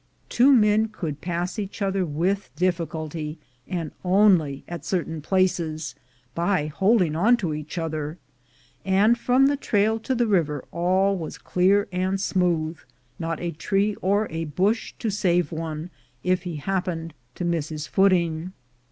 Two men could pass each other with difficulty, and only at certain places, by holding on to each other; and from the trail to the river all was clear and smooth, not a tree or a bush to save one if he happened to miss his footing.